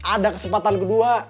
ada kesempatan kedua